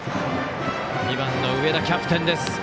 ２番の上田、キャプテンです。